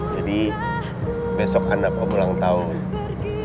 jadi besok anak om ulang tahun